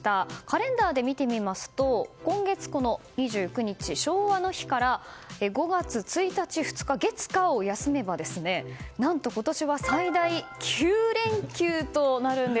カレンダーで見てみますと今月２９日の昭和の日から５月１日、２日、月火を休めば今年は最大９連休となるんです。